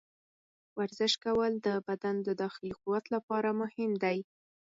ورزش کول د بدن د داخلي قوت لپاره مهم دي.